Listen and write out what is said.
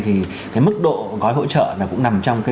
thì mức độ gói hỗ trợ cũng nằm trong